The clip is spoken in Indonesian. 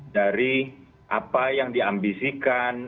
dari apa yang diambisikan